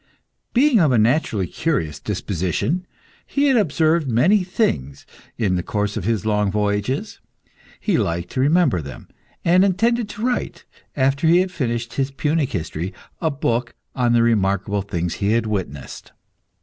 Being of a naturally curious disposition, he had observed many things in the course of his long voyages. He liked to remember them, and intended to write, after he had finished his Punic history, a book on the remarkable things he had witnessed.